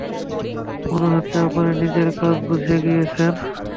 মনে হচ্ছে আপনি নিজের কাজ বুঝে গিয়েছেন।